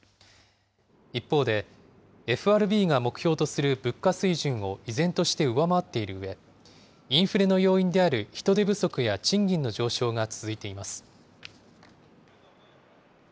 一方で、ＦＲＢが目標とする物価水準を依然として上回っているうえ、インフレの要因である人手不足や賃金の上昇が続いています。